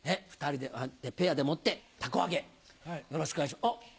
ペアでもって凧揚げよろしくお願いします。